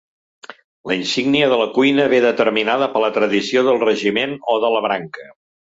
La insígnia de la cuina ve determinada per la tradició del regiment o de la branca.